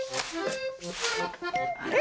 あれ⁉